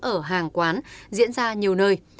ở hàng quán diễn ra nhiều nơi